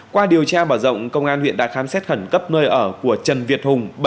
qua điều tra mở rộng công an huyện đã khám xét khẩn cấp nơi ở của trần việt hùng